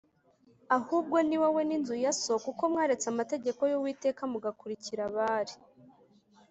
ahubwo ni wowe n’inzu ya so kuko mwaretse amategeko y’Uwiteka, mugakurikira Bāli